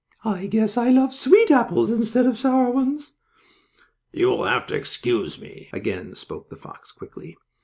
"I guess I love sweet apples instead of sour ones." "You will have to excuse me," again spoke the fox quickly.